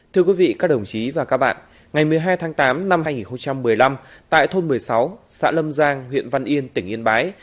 thưa quý vị các đồng chí và các bạn ngày một mươi hai tháng tám năm hai nghìn một mươi năm tại thôn một mươi sáu xã lâm giang huyện văn yên tỉnh yên bái